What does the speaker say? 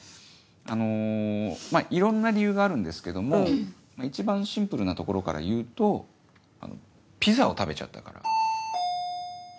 あのまぁいろんな理由があるんですけども一番シンプルなところから言うとピザを食べちゃったから。